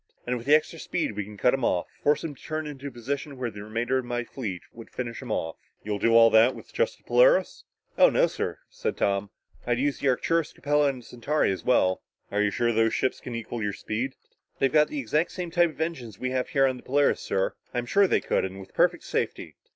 "And with the extra speed, we can cut him off, force him to turn into a position where the remainder of my fleet would finish him off." "You'll do this with just the Polaris?" "Oh, no, sir," said Tom. "I'd use the Arcturus, Capella and the Centauri, as well." "Are you sure those other ships can equal your speed?" "They've got exactly the same type engines as we have here on the Polaris, sir. I'm sure they could and with perfect safety."